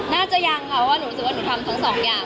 น่าจะยังค่ะเพราะว่าหนูรู้สึกว่าหนูทำทั้งสองอย่าง